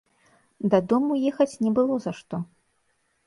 Дадому ехаць не было за што.